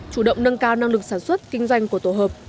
chủ động nâng cao năng lực sản xuất kinh doanh của tổ hợp